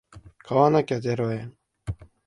買わなきゃゼロ円